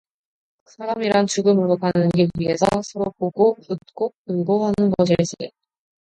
사람이란 죽음으로 가는 길 위에서 서로 보고 웃고 울 고하는 것일세.